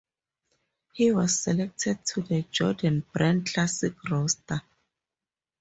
He was selected to the Jordan Brand Classic roster.